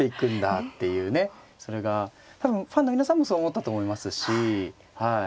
それが多分ファンの皆さんもそう思ったと思いますしはい。